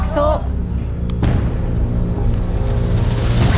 ถูก